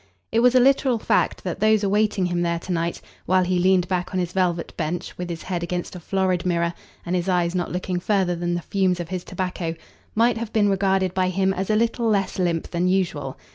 It was a literal fact that those awaiting him there to night, while he leaned back on his velvet bench with his head against a florid mirror and his eyes not looking further than the fumes of his tobacco, might have been regarded by him as a little less limp than usual.